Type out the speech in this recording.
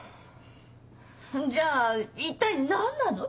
じゃあ一体何なの？